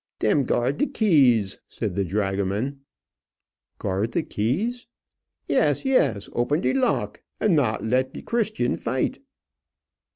"Dem guard de keys," said the dragoman. "Guard the keys!" "Yes, yes; open de lock, and not let de Christian fight."